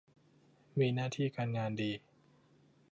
มีหน้าที่การงานดี